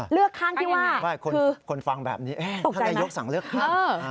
เลือกข้างที่ว่าคุณฟังแบบนี้นายกสั่งเลือกข้างตกใจไหม